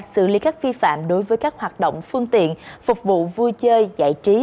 xử lý các vi phạm đối với các hoạt động phương tiện phục vụ vui chơi giải trí